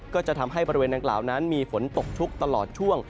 ก็จะทำให้บริเวณดังกล่าวนั้นมีฝนตกชุกตลอดช่วง